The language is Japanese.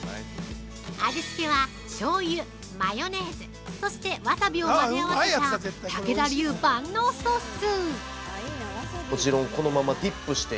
◆味付けはしょうゆ、マヨネーズそして、わさびを混ぜ合わせたたけだ流万能ソース！